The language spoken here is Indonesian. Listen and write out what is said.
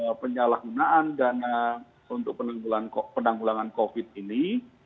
bahwa penyalahgunaan dana untuk penanggulangan covid ini